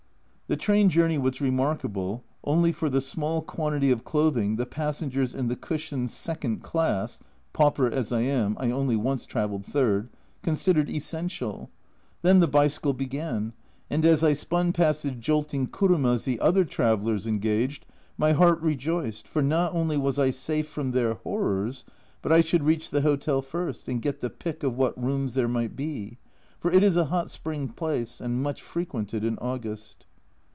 The train journey was remarkable only for the small quantity of clothing the passengers in the cushioned second class (pauper as I am, I only once travelled third) considered essential. Then the bicycle began, and as I spun past the jolting kurumas the other travellers engaged, my heart rejoiced, for not only was I safe from their horrors, but I should reach the hotel first and get the pick of what rooms there might be ; for it is a hot spring place, and much frequented in August.